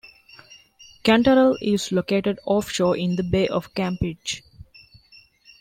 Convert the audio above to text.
Cantarell is located offshore in the Bay of Campeche.